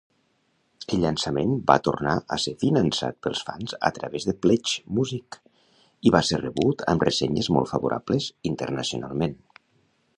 El llançament va tornar a ser finançat pels fans a través de Pledgemusic, i va ser rebut amb ressenyes molt favorables internacionalment.